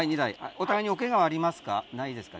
お互いにおケガはありますか？